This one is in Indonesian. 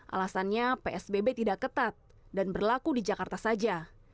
alasannya psbb tidak ketat dan berlaku di jakarta saja